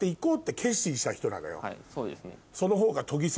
そうですね。